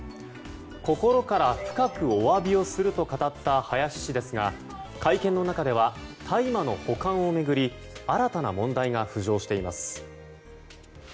心から深くお詫びをすると語った林氏ですが会見の中では大麻の保管を巡り新たな問題が浮上しています。